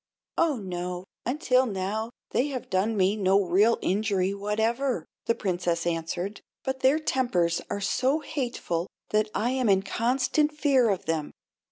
"Oh, no; until now they have done me no real injury whatever," the Princess answered, "but their tempers are so hateful that I am in constant fear of them.